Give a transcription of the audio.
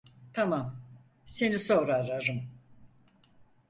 Tamam, seni sonra ararım.